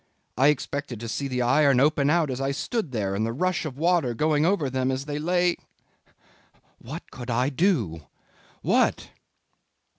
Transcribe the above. I expected to see the iron open out as I stood there and the rush of water going over them as they lay. ... What could I do what?"